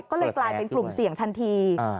ก็เลยกลายเป็นกลุ่มเสี่ยงทันที